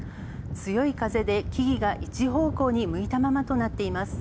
強い風で木々が一方向に向いたままとなっています。